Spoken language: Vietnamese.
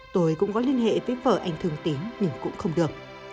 tôi cũng có liên hệ với vợ anh thương tín nhưng cũng không được